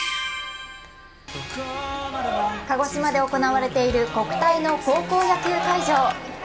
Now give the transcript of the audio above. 鹿児島で行われている国体の高校野球会場。